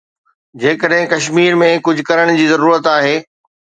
جيڪڏهن ڪشمير ۾ ڪجهه ڪرڻ جي ضرورت آهي.